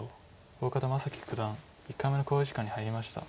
小県真樹九段１回目の考慮時間に入りました。